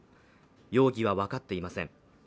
容疑は分かっていません。